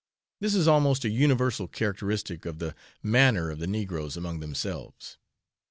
This is almost a universal characteristic of the manner of the negroes among themselves.